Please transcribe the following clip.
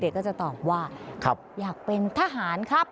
ก็จะตอบว่าอยากเป็นทหารครับ